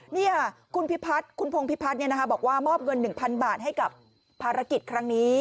นี่คุณพงพิพัฒน์บอกว่ามอบเงิน๑๐๐๐บาทให้กับภารกิจครั้งนี้